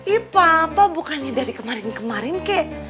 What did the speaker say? eh papa bukannya dari kemarin kemarin kek